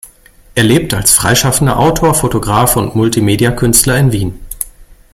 Er lebt als freischaffender Autor, Fotograf und Multimediakünstler in Wien.